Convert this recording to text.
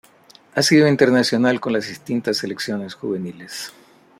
Ha sido internacional con las distintas Selecciones juveniles.